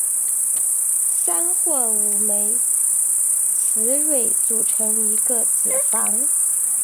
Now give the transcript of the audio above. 三或五枚雌蕊组成一个子房。